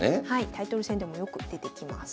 タイトル戦でもよく出てきます。